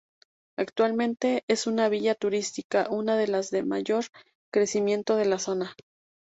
Actualmente es una villa turística, una de las de mayor crecimiento de la zona.